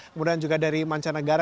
kemudian juga dari mancanegara